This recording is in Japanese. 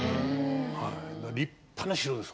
立派な城です